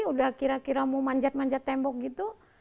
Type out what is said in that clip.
udah kira kira mau manjat manjat tembok gitu